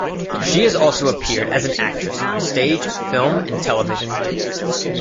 She has also appeared as an actress on stage, film and television.